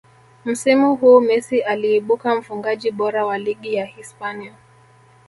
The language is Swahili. msimu huu Messi aliibuka mfungaji bora wa ligi ya hispania